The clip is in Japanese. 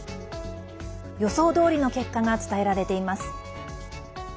予想どおりの結果が伝えられています。